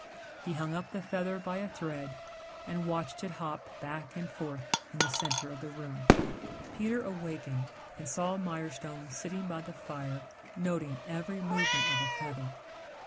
He hung up the feather by a thread and watched it hop back and forth in the center of the room. Peter awakened and saw Mirestone sitting by the fire noting every movement of the feather.